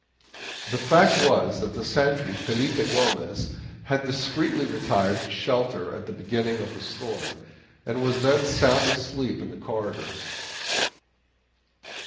The fact was that the sentry, Felipe Gomez, had discreetly retired to shelter at the beginning of the storm, and was then sound asleep in the corridor.